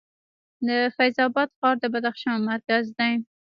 د فیض اباد ښار د بدخشان مرکز دی